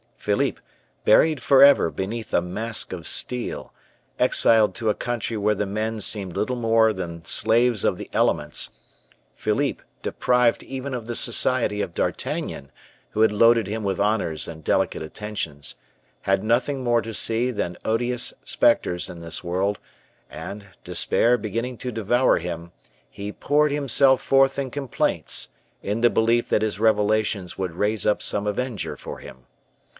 Philippe, buried forever beneath a mask of steel, exiled to a country where the men seemed little more than slaves of the elements; Philippe, deprived even of the society of D'Artagnan, who had loaded him with honors and delicate attentions, had nothing more to see than odious specters in this world, and, despair beginning to devour him, he poured himself forth in complaints, in the belief that his revelations would raise up some avenger for him.